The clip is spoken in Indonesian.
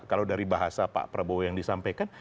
kalau dari bahasa pak prabowo yang disampaikan